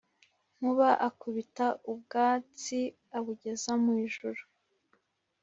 Nkuba akubita ubwatsi abugeza mu ijuru,